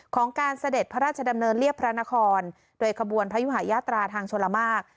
ของการเสด็จพระราชดำเนินเรียบพระนครโดยขบวนพระยุหายาตราทางชลมาก